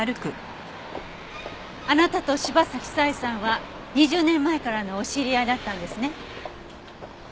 あなたと柴崎佐江さんは２０年前からのお知り合いだったんですね。